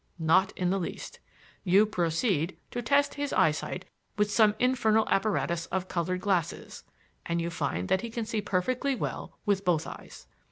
Not in the least. You proceed to test his eyesight with some infernal apparatus of colored glasses, and you find that he can see perfectly well with both eyes.